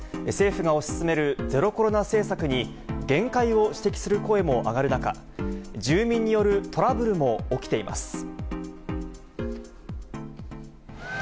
政府が推し進めるゼロコロナ政策に、限界を指摘する声も上がる中、住民によるトラブルも起きています。